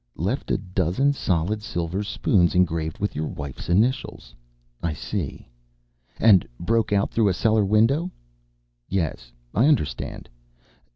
Left a dozen solid silver spoons engraved with your wife's initials? I see. And broke out through a cellar window. Yes, I understand.